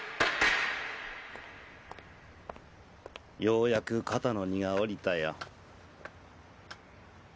ようやく肩の荷が下りたよ。